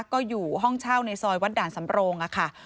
ก็อยู่ห้องเช่าในซอยวัดด่านสำโรงค่ะ